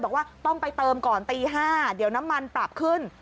บอกว่าต้องไปเติมก่อนตี๕เดี๋ยวน้ำมันปรับขึ้น